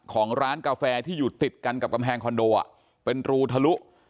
ของร้านกาแฟที่อยู่ติดกันกับกำแพงคอนโดเป็นรูทะลุ